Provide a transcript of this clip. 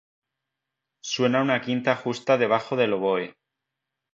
Suena una quinta justa debajo del oboe.